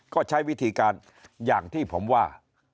ก็ใช้วิธีการอย่างที่ผมว่า